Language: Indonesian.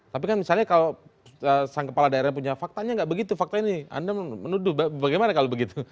tapi kan misalnya kalau sang kepala daerah punya faktanya enggak begitu